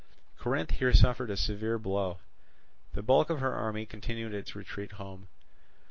Corinth here suffered a severe blow. The bulk of her army continued its retreat home.